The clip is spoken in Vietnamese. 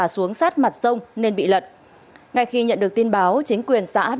xin chào các bạn